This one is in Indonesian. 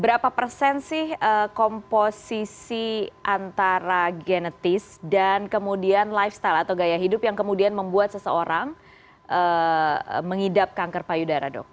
berapa persen sih komposisi antara genetis dan kemudian lifestyle atau gaya hidup yang kemudian membuat seseorang mengidap kanker payudara dok